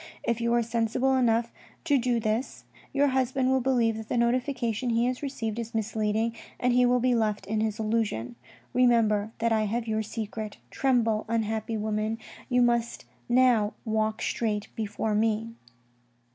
If you are sensible enough to do this, your husband will believe that the notification he has received is misleading, and he will be left in his illusion. Remember that I have your secret ; tremble, unhappy woman, you must now walk straight before me.'